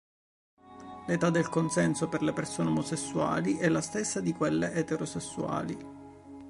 L'età del consenso per le persone omosessuali è la stessa di quelle eterosessuali.